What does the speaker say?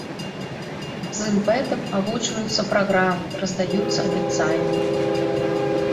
З імпэтам агучваюцца праграмы, раздаюцца абяцанні.